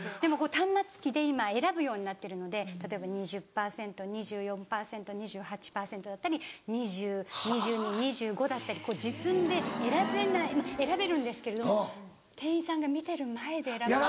端末機で今選ぶようになってるので例えば２０％２４％２８％だったり２０２２２５だったり自分で選べないまぁ選べるんですけれども店員さんが見てる前で選ぶので。